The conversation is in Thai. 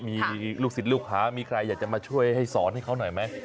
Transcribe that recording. มีลูกศิษย์ลูกหามีใครอยากจะมาช่วยให้สอนให้เขาหน่อยไหม